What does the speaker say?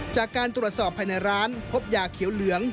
จากการตรวจสอบภายในร้านพบยาเขียวเหลือง